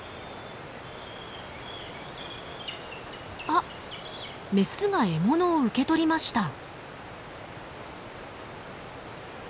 あっメスが獲物を受け取りました。